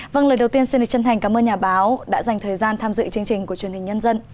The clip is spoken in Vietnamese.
vâng lời đầu tiên xin chân thành cảm ơn nhà báo đã dành thời gian tham dự chương trình của truyền hình nhân dân